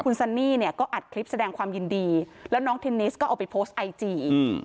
คุณซันนี่เนี่ยก็อัดคลิปแสดงความยินดีแล้วน้องเทนนิสก็เอาไปโพสต์ไอจีอืม